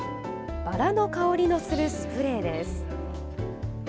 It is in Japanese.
バラの香りのするスプレーです。